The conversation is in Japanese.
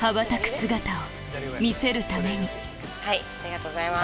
姿を見せるためにありがとうございます。